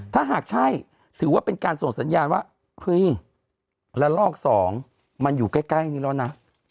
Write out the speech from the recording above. ถ้าหากใช่ถือว่าเป็นการส่งสัญญาณว่าเฮ้ยละลอกสองมันอยู่ใกล้นี้แล้วนะ